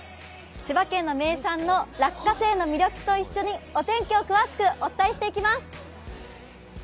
千葉県の名産の落花生の魅力と一緒にお天気を詳しくお伝えしていきます！